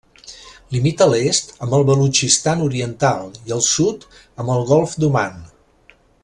Limita a l'est amb el Balutxistan Oriental i al sud amb el Golf d'Oman.